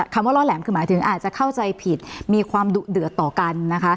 คำว่าล่อแหลมคือหมายถึงอาจจะเข้าใจผิดมีความดุเดือดต่อกันนะคะ